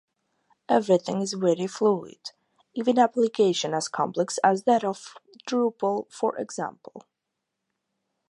Everything is very fluid, even application as complex as that of Drupal for example.